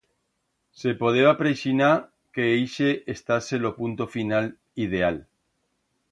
Se podeba preixinar que ixe estase lo punto final ideal.